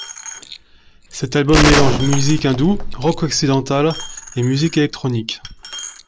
Cet album mélange musique hindoue, rock occidental et musique électronique.